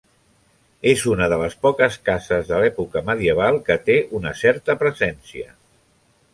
És una de les poques cases de l'època medieval que té una certa presència.